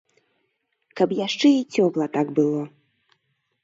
Каб яшчэ і цёпла так было.